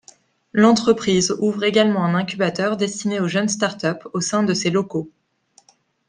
L’entreprise ouvre également un incubateur destiné aux jeunes startups, au sein de ses locaux.